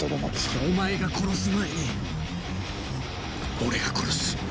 お前が殺す前に俺が殺す。